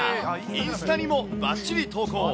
インスタにもばっちり投稿。